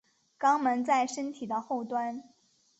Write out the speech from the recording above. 肛门在身体的后端。